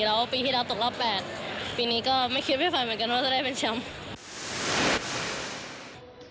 แล้วปีที่แล้วตกรอบ๘ปีนี้ก็ไม่คิดไม่ฝันเหมือนกันว่าจะได้เป็นแชมป์